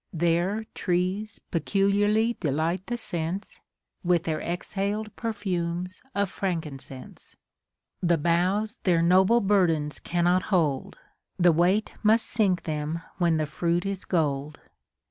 There trees peculiarly delight tlie sense, With their exhaled perfumes of frankincense. The boughs their noble burdens cannot hold, The weight must sink them when the fruit is gold.